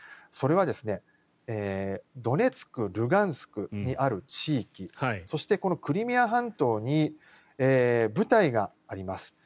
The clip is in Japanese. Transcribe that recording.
それはドネツク、ルガンスクにある地域そしてこのクリミア半島に部隊があります。